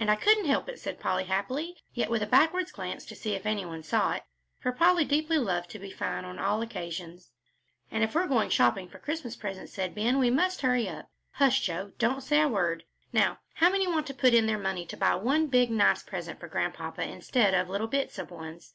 "And I couldn't help it," said Polly, happily, yet with a backward glance to see if any one saw it, for Polly deeply loved to be fine on all occasions. "And if we are going shopping for Christmas presents," said Ben, "we must hurry up. Hush, Joe, don't say a word. Now how many want to put in their money to buy one big, nice present for Grandpapa instead of little bits of ones?